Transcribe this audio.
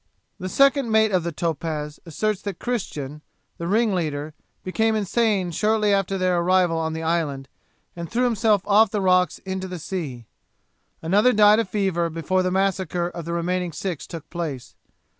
'The second mate of the Topaz asserts that Christian, the ringleader, became insane shortly after their arrival on the island, and threw himself off the rocks into the sea; another died of a fever before the massacre of the remaining six took place.